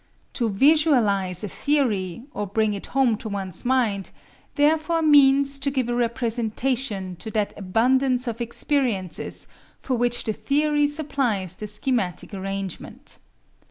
To "visualise" a theory, or bring it home to one's mind, therefore means to give a representation to that abundance of experiences for which the theory supplies the schematic arrangement.